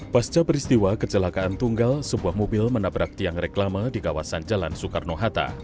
pasca peristiwa kecelakaan tunggal sebuah mobil menabrak tiang reklama di kawasan jalan soekarno hatta